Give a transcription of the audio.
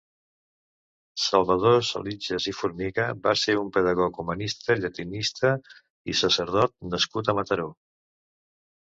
Salvador Salitjes i Formiga va ser un pedagog, humanista, llatinista i sacerdot nascut a Mataró.